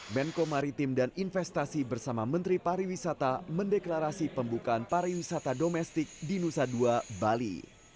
menko maritim dan investasi bersama menteri pariwisata mendeklarasi pembukaan pariwisata domestik di nusa dua bali